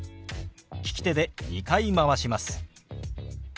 利き手で２回回します。